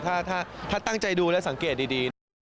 ถ้าตั้งใจดูแล้วสังเกตดี